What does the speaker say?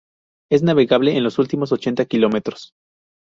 Es navegable en los últimos ochenta kilómetros.